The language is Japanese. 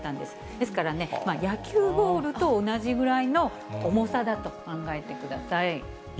ですから、野球ボールと同じぐらいの重さだと考えてください。